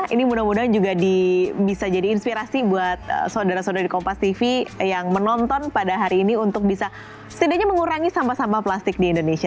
ini mudah mudahan juga bisa jadi inspirasi buat saudara saudara di kompas tv yang menonton pada hari ini untuk bisa setidaknya mengurangi sampah sampah plastik di indonesia